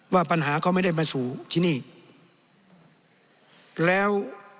ว่าปัญหาก็ไม่ได้มาสู่ที่นี่แล้ว